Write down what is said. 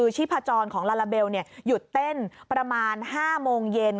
ชีพจรของลาลาเบลหยุดเต้นประมาณ๕โมงเย็น